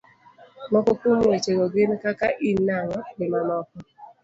moko kuom weche go gin kaka; in nang'o? gimamoko